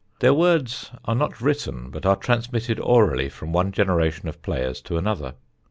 Their words are not written, but are transmitted orally from one generation of players to another.